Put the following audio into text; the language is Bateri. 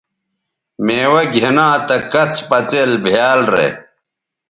میوہ گِھنا تہ کڅ پڅئیل بھیال رے